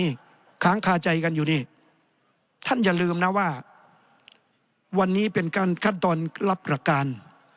นี่ค้างคาใจกันอยู่นี่ท่านอย่าลืมนะว่าวันนี้เป็นการขั้นตอนรับประการ